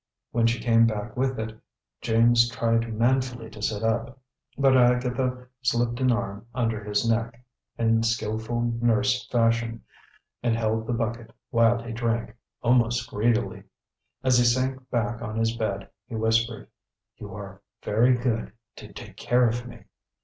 When she came back with it, James tried manfully to sit up; but Agatha slipped an arm under his neck, in skilful nurse fashion, and held the bucket while he drank, almost greedily. As he sank back on his bed he whispered: "You are very good to take care of me."